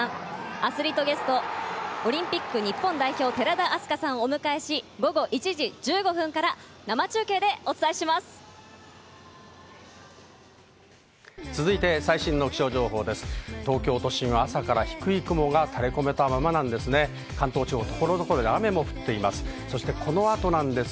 アスリートゲスト、オリンピック日本代表・寺田明日香さんを迎え、午後１時１５分から生中継最新の気象情報です。